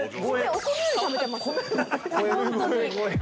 ◆お米より食べてます、本当に。